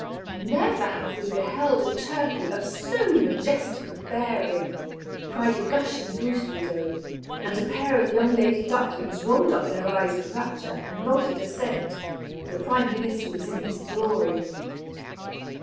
"Never have we beheld a turkey of so majestic a bearing!" cried a gushing goose widow, and a pair of young lady ducklings rolled up their eyes in rapture and nodded assent. The prime minister was in his glory.